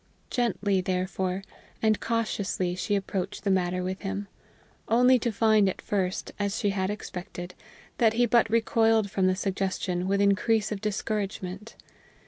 Gently, therefore, and cautiously she approached the matter with him, only to find at first, as she had expected, that he but recoiled from the suggestion with increase of discouragement.